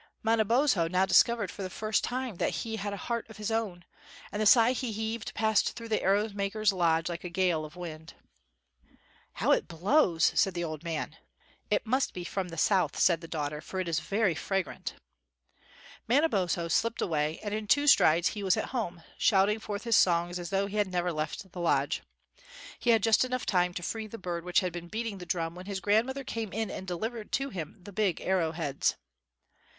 Manabozlio now discovered for the first time that he had a heart of his own, and the sigh he heaved passed through the arrow maker's lodge like a gale of wind. "How it blows!" said the old man. "It must be from the south," said the daughter; "for it is very fragrant." Manabozho slipped away, and in two strides he was at home, shouting forth his songs as though he had never left the lodge. He had just time to free the bird which had been beating the drum, when his grandmother came in and delivered to him the big arrowheads.